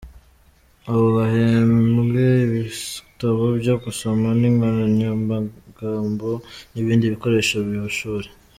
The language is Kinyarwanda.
Abo bahembwe ibitabo byo gusoma n’inkoranyamagambo n’ibindi bikoresho by’ishuri.